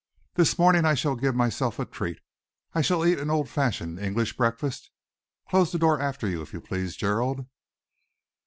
This morning I shall give myself a treat. I shall eat an old fashioned English breakfast. Close the door after you, if you please, Gerald."